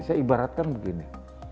saya ibaratkan begini